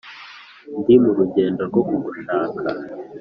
Ndi mu rugendo rwo kugushaka